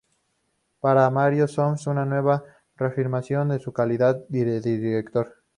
Para Mario Soffici una nueva reafirmación de su calidad de director.